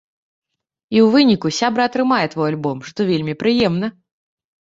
І ў выніку сябра атрымае твой альбом, што вельмі прыемна.